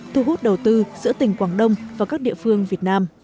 thu hút đầu tư giữa tỉnh quảng đông và các địa phương việt nam